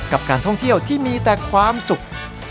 กับการท่องเที่ยวที่มีแต่ความสุข